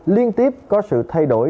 liên tiếp có sự thay đổi